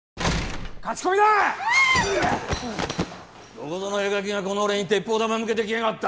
どこぞの絵描きがこの俺に鉄砲玉向けてきやがった。